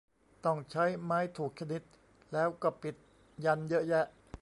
ต้องใช้ไม้ถูกชนิด แล้วก็ปิดยันต์เยอะแยะ